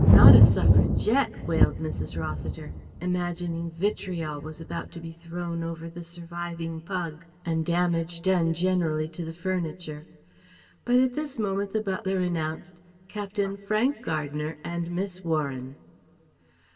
Not a Suffragette!" wailed Mrs. Rossiter, imagining vitriol was about to be thrown over the surviving pug and damage done generally to the furniture But at this moment the butler announced: "Captain Frank Gardner and Miss Warren."